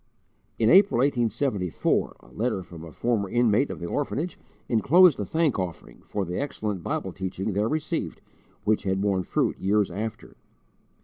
In April, 1874, a letter from a former inmate of the orphanage enclosed a thank offering for the excellent Bible teaching there received which had borne fruit years after.